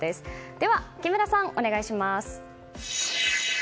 では、木村さんお願いします。